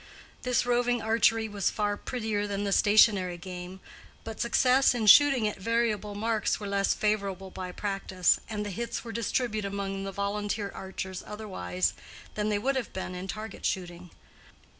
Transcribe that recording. This roving archery was far prettier than the stationary game, but success in shooting at variable marks were less favored by practice, and the hits were distributed among the volunteer archers otherwise than they would have been in target shooting.